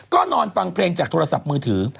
ก็นอนฟังเพลงจากโทรศัพท์มือถือ